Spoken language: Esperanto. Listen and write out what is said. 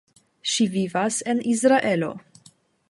Ŝi vivas en Izraelo.